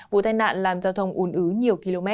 vụ tai nạn làm giao thông un ứ nhiều km